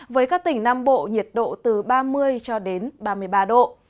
với các tỉnh nam bộ nhiệt độ từ ba mươi cho đến ba mươi ba độ